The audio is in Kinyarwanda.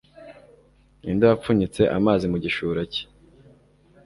ni nde wapfunyitse amazi mu gishura cye